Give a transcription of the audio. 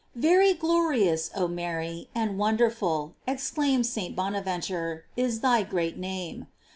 * Vary glorious, oh Mary, and wonderful, ex claims St. Bonaventure, is thy great name.